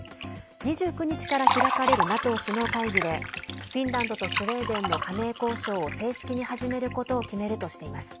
２９日から開かれるＮＡＴＯ首脳会議でフィンランドとスウェーデンの加盟交渉を正式に始めることを決めるとしています。